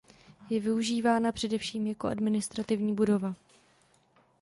Je využívána především jako administrativní budova.